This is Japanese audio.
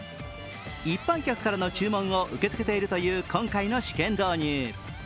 一般客からの注文を受け付けているという今回の試験導入。